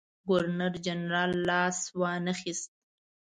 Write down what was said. ګورنرجنرال لاس وانه خیست.